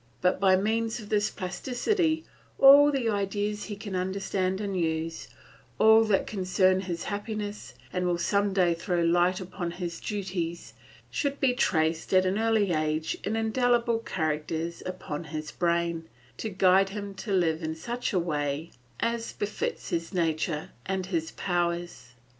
But by means of this plasticity all the ideas he can understand and use, all that concern his happiness and will some day throw light upon his duties, should be traced at an early age in indelible characters upon his brain, to guide him to live in such a way as befits his nature and his powers.